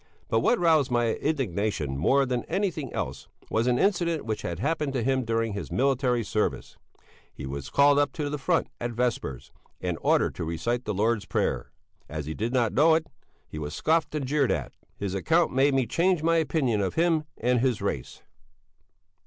But what roused my indignation more than anything else was an incident which had happened to him during his military service; he was called up to the front at vespers and ordered to recite the Lord's Prayer. As he did not know it, he was scoffed and jeered at. His account made me change my opinion of him and his race.